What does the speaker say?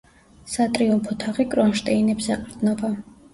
სატრიუმფო თაღი კრონშტეინებს ეყრდნობა.